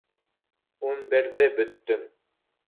— Ун берҙе бөттөм.